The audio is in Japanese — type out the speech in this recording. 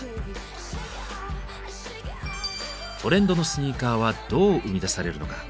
トレンドのスニーカーはどう生み出されるのか。